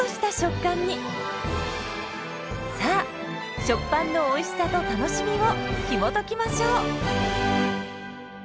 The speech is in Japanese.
さあ「食パン」のおいしさと楽しみをひもときましょう！